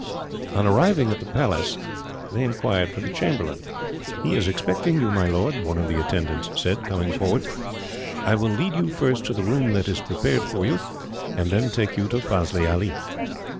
On arriving at the Palace, they inquired for the chamberlain. "He is expecting you, my lord," one of the attendants said, coming forward. "I will lead you first to the room that is prepared for you, and then take you to Fazli Ali."